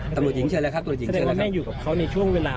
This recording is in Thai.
ตรวจหญิงใช่หรือเปล่าครับตรวจหญิงใช่แม่อยู่กับเขาในช่วงเวลา